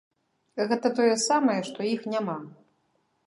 Гэта тое самае, што іх няма.